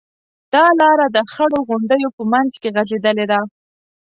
دا لاره د خړو غونډیو په منځ کې غځېدلې ده.